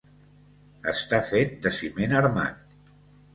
Està fet de ciment armat.